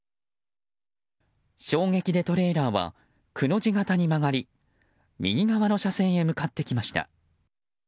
衝撃でトレーラーはくの字型に曲がり右側の車線へ向かってきました。